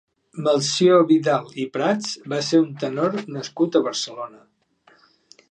Melcior Vidal i Prats va ser un tenor nascut a Barcelona.